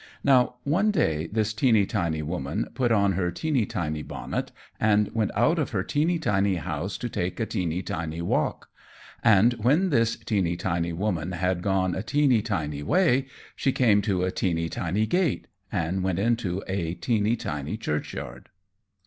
Now one day this teeny tiny woman put on her teeny tiny bonnet, and went out of her teeny tiny house to take a teeny tiny walk. And when this teeny tiny woman had gone a teeny tiny way she came to a teeny tiny gate, and went into a teeny tiny church yard.